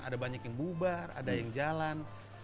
ada banyak yang bubar ada yang jalan